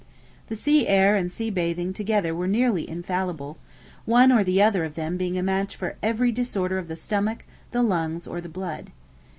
The sea air and sea bathing together were nearly infallible; one or other of them being a match for every disorder of the stomach, the lungs, or the blood.